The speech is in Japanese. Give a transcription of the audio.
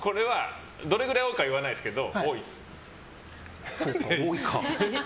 どれぐらい多いかは言わないですけど多いです。